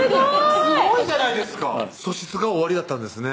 すごいじゃないですか素質がおありだったんですね